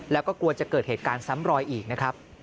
แล้วก็กลัวจะเกิดเหตุการณ์ซ้ำรอยอีกนะครับ